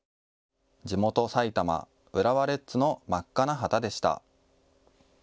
地元、埼玉、浦和レッズの真っ赤な旗でした。